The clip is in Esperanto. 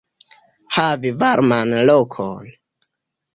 Havi varman lokon.